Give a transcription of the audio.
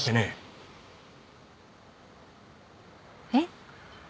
えっ？